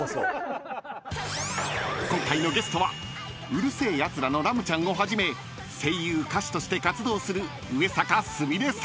⁉［今回のゲストは『うる星やつら』のラムちゃんをはじめ声優歌手として活動する］